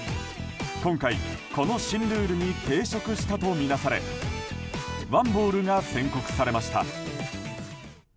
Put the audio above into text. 今回、この新ルールに抵触したと見なされワンボールが宣告されました。